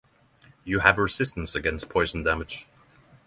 You have resistance against poison damage.